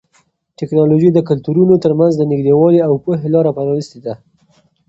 ټیکنالوژي د کلتورونو ترمنځ د نږدېوالي او پوهې لاره پرانیستې ده.